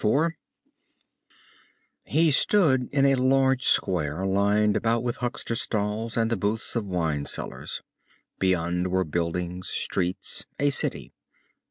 IV He stood in a large square, lined about with huckster's stalls and the booths of wine sellers. Beyond were buildings, streets, a city.